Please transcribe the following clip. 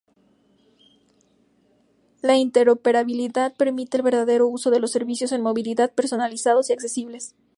La interoperabilidad permite el verdadero uso de servicios en movilidad, personalizados y accesibles.